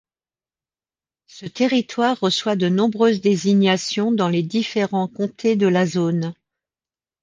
Ce territoire reçoit de nombreuses désignations dans les différents comtés de la zone.